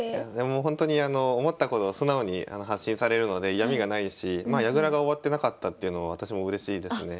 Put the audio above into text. ほんとに思ったことを素直に発信されるので嫌みがないし矢倉が終わってなかったっていうのは私もうれしいですね。